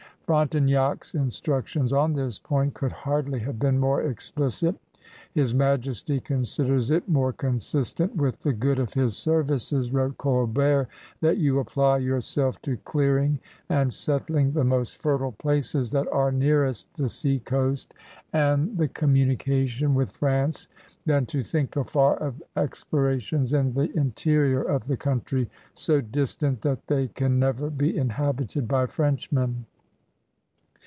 Frontenac's instructions on this point could hardly have been more explicit. "His Majesty considers it more consistent with the good of his service," wrote Colbert, "that you apply yourself to clearing and settling the most fertile places that are nearest the seacoast and the THE mON GOVEBNOB 85 communication with France than to think afar of explorations in the interior of the country, so distant that they can never be inhabited by Frenchmen."